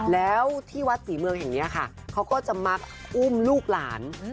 แล้วที่วัดศรีเมืองแห่งนี้ค่ะเขาก็จะมักอุ้มลูกหลาน